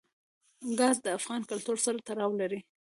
ګاز د افغان کلتور سره تړاو لري.